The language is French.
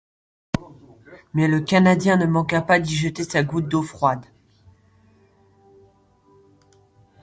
Mais le Canadien ne manqua pas d’y jeter sa goutte d’eau froide.